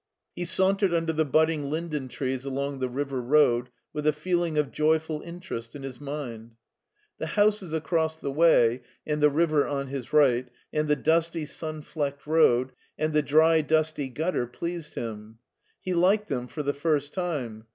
He sauntered under the budding linden trees along the river road with a feeling of joyful interest in his mind. The houses across the way, and the river on his right, and the dusty, sun flecked road, and the dry, dusty gutter pleased him. He liked them for the first time.